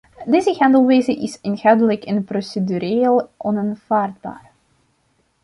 Deze handelwijze is inhoudelijk en procedureel onaanvaardbaar.